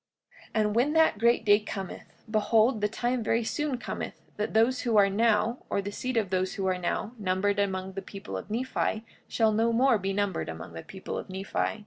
45:13 And when that great day cometh, behold, the time very soon cometh that those who are now, or the seed of those who are now numbered among the people of Nephi, shall no more be numbered among the people of Nephi.